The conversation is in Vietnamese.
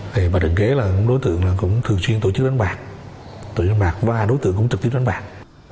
bạch đình kế là đối tượng thường xuyên tổ chức đánh bạc và đối tượng cũng trực tiếp đánh bạc